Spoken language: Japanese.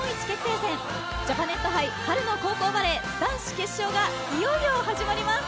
戦ジャパネット杯春の高校バレー男子決勝がいよいよ始まります。